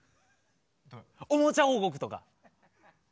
おもちゃ王国とか。